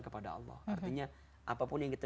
kepada allah artinya apapun yang kita